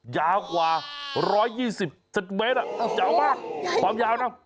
ยาวกว่า๑๒๐เซนติเมตรยาวมากความยาวนะ